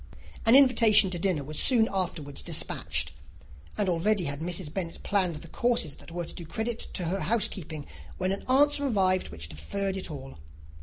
An invitation to dinner was soon afterwards despatched; and already had Mrs. Bennet planned the courses that were to do credit to her housekeeping, when an answer arrived which deferred it all.